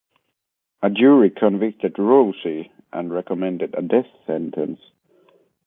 A jury convicted Rowsey and recommended a death sentence.